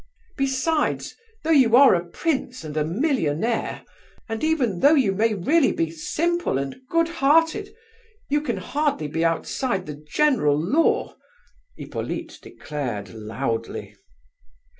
"Besides, though you are a prince and a millionaire, and even though you may really be simple and good hearted, you can hardly be outside the general law," Hippolyte declared loudly.